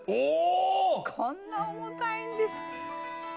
こんなおもたいんですか。